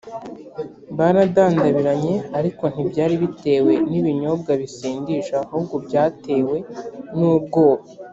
baradandabiranye ariko ntibyari bitewe n ibinyobwa bisindisha ahubwo byatewe nubwoba